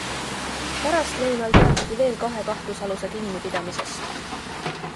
Pärastlõunal teatati veel kahe kahtlusaluse kinnipidamisest.